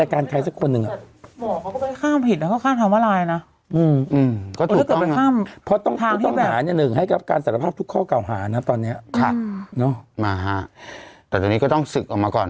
ก็เก่าหานะตอนเนี้ยค่ะเนอะมาฮะแต่ตอนนี้ก็ต้องศึกออกมาก่อน